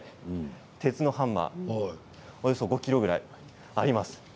鉄のハンマーおよそ５ｋｇぐらいあります。